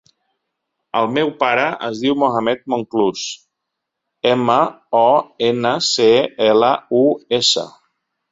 El meu pare es diu Mohammed Monclus: ema, o, ena, ce, ela, u, essa.